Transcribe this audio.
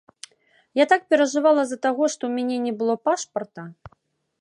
Я так перажывала з-за таго, што ў мяне не было пашпарта.